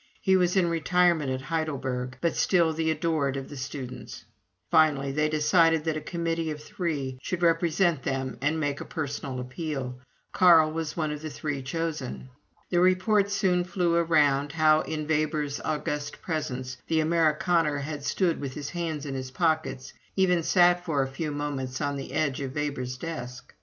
He was in retirement at Heidelberg, but still the adored of the students. Finally, they decided that a committee of three should represent them and make a personal appeal. Carl was one of the three chosen. The report soon flew around, how, in Weber's august presence, the Amerikaner had stood with his hands in his pockets even sat for a few moments on the edge of Weber's desk.